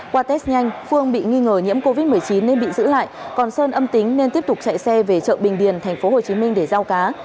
qua test nhanh phương bị nghi ngờ nhiễm covid một mươi chín nên bị giữ lại còn sơn âm tính nên tiếp tục chạy xe về chợ bình điền thành phố hồ chí minh để giao cá